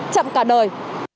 chậm cả đời